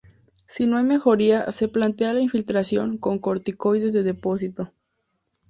Si no hay mejoría se plantea la infiltración con corticoides de depósito.